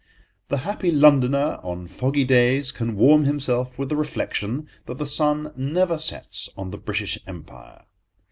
The happy Londoner on foggy days can warm himself with the reflection that the sun never sets on the British Empire.